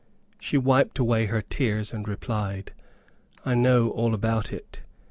She wiped away her tears, and replied, "I know all about it.